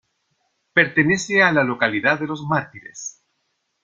Pertenece a la localidad de Los Mártires.